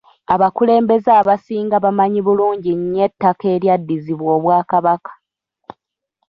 Abakulembeze abasinga bamanyi bulungi nnyo ettaka eryaddizibwa Obwakabaka.